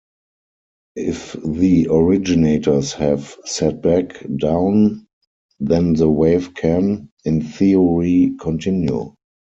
If the originators have sat back down then the wave can, in theory, continue.